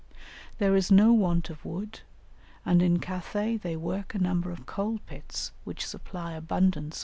There is no want of wood, and in Cathay they work a number of coal pits which supply abundance of coal.